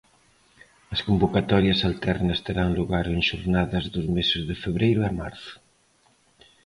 As convocatorias alternas terán lugar en xornadas dos meses de febreiro e marzo.